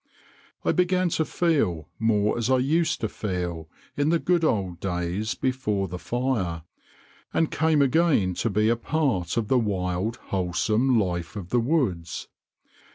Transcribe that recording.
I began to feel more as I used to feel in the good old days before the fire, and came again to be a part of the wild, wholesome life of the woods.